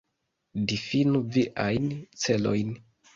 Difinu viajn celojn.